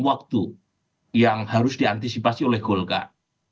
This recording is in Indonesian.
waktu yang harus diantisipasi oleh golkar